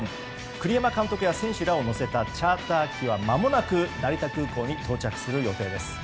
栗山監督や選手らを乗せたチャーター機はまもなく成田空港に到着する予定です。